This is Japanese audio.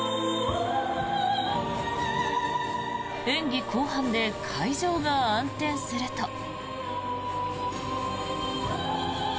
演技後半で会場が暗転すると。